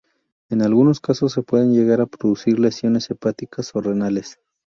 En algunos casos se pueden llegar a producir lesiones hepáticas o renales.